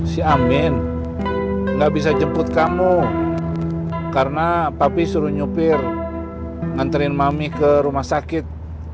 si amin nggak bisa jemput kamu karena papi suruh nyupir nganterin mami ke rumah sakit